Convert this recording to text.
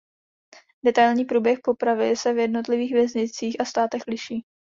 Detailní průběh popravy se v jednotlivých věznicích a státech liší.